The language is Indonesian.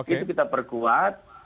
itu kita perkuat